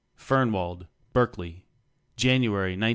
Fernwald, Berkeley, January, 1919.